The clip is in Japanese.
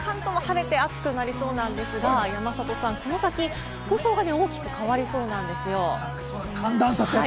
今日も関東は晴れて暑くなりそうなんですが、山里さん、この先、服装が大きく変わりそうなんですよ。